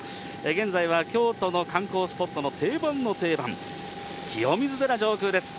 現在は京都の観光スポットの定番の定番、清水寺上空です。